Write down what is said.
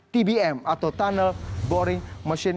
tbm atau tunnel boring machine